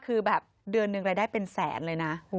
คือแบบเดือนหนึ่งรายได้เป็นแสนเลยนะ